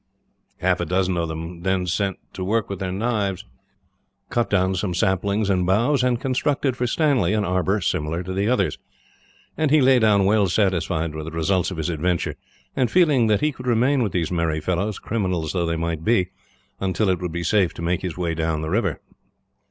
Half a dozen of them then set to work with their knives, cut down some saplings and boughs, and constructed for Stanley an arbour similar to the others; and he lay down well satisfied with the results of his adventure, and feeling that he could remain with these merry fellows, criminals though they might be, until it would be safe to make his way down the river.